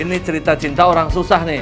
ini cerita cinta orang susah nih